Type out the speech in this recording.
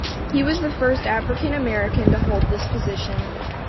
He was the first African American to hold this position.